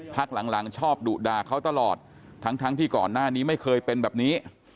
พักหลังชอบดุด่าเขาตลอดทั้งที่ก่อนหน้านี้ไม่เคยเป็นแบบนี้